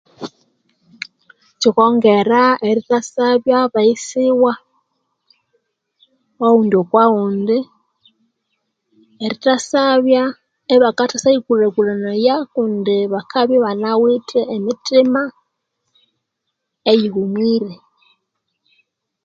Thukongera erithasabya bayisiwa owundi okwawundi erithasabya ibakathashayilhakulhanaya kundi bakabya ibanawithe emithima eyihumwire